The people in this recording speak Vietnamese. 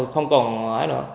không còn nói nữa